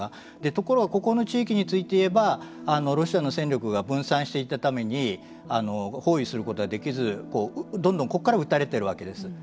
ところがここの地域について言えば分散していたために包囲することはできずどんどんここから撃たれているわけです。